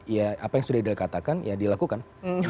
ya apa yang sudah dikatakan ya dilakukan